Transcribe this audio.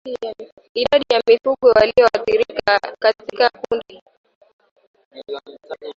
Idadi ya mifugo wanaoathirika katika kundi